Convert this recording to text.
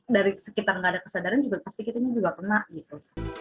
dari sekitar nggak ada kesadaran juga pasti kita ini juga kena gitu